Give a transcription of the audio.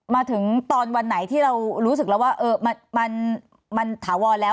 มาถึงตอนวันไหนที่เรารู้สึกแล้วว่ามันถาวรแล้ว